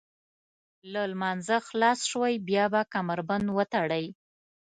له لمانځه خلاص شوئ بیا به کمربند وتړئ.